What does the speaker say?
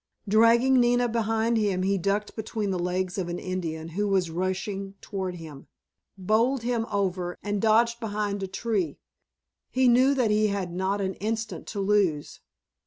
Dragging Nina behind him he ducked between the legs of an Indian who was rushing toward him, bowled him over, and dodged behind a tree. He knew that he had not an instant to lose.